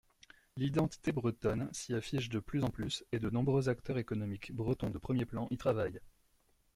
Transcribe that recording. L’identité bretonne s’y affiche de plus en plus et de nombreux acteurs économiques bretons de premiers plans y travaillent.